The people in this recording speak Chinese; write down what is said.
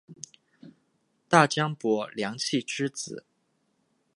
大将柏良器之子。